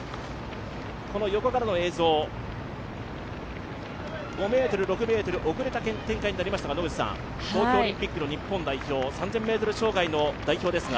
この横からの映像、５ｍ、６ｍ遅れた展開になりましたが東京オリンピックの日本代表、３０００ｍ障害の代表ですが。